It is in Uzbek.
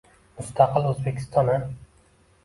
— Mustaqil O’zbekiston-a?